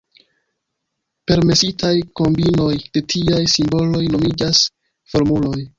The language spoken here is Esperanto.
Permesitaj kombinoj de tiaj simboloj nomiĝas formuloj.